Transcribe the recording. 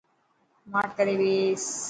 ماٺ ڪري ٻيس.